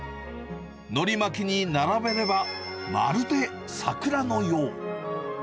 ノリ巻きに並べれば、まるで桜のよう。